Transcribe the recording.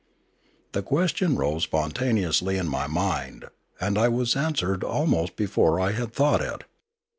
The question rose spontaneously in my mind; and I was answered almost before I had thought it.